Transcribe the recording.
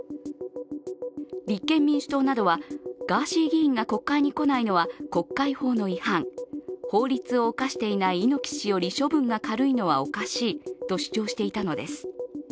立憲民主党などはガーシー議員が国会に来ないのは国会法の違反、法律を犯していない猪木氏より処分が軽いのはおかしいと主張していたのです。